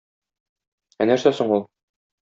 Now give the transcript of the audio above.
Ә нәрсә соң ул?